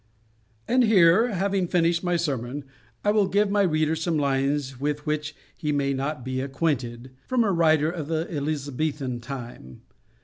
And here, having finished my sermon, I will give my reader some lines with which he may not be acquainted, from a writer of the Elizabethan time.